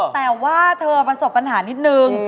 แต่ว่าเธอประสบปัญหานิดนึง